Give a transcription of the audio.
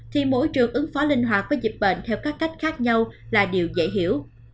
thì môi trường ứng phó linh hoạt với dịch bệnh theo các cách khác nhau là điều dễ hiểu